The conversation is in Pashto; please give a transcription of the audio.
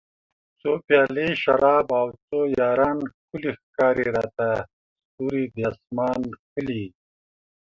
څو پیالۍ شراب او څو یاران ښکلي ښکاري راته ستوري د اسمان ښکلي